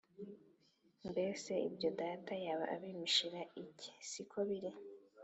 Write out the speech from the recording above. Mbese ibyo data yaba abimpishira iki? Si ko biri.